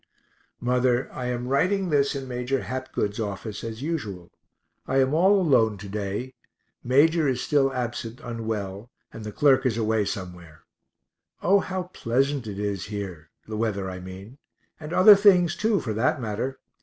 Mother, I am writing this in Major Hapgood's office, as usual. I am all alone to day Major is still absent, unwell, and the clerk is away somewhere. O how pleasant it is here the weather I mean and other things too, for that matter.